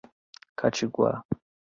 Catiguá